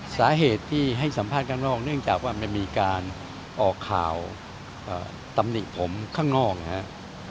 สาเหตุที่ให้สัมภาษณ์ข้างนอกเนื่องจากว่ามันมีการออกข่าวตำหนิผมข้างนอกนะครับ